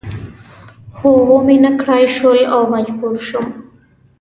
خو و مې نه کړای شول او مجبور شوم.